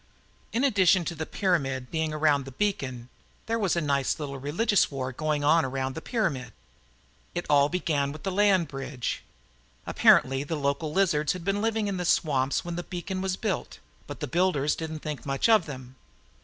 In addition to the pyramid being around the beacon, there was a nice little religious war going on around the pyramid. It all began with the land bridge. Apparently the local lizards had been living in the swamps when the beacon was built, but the builders didn't think much of them.